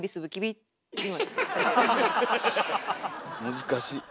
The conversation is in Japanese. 難しい。